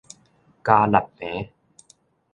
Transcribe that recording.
交力坪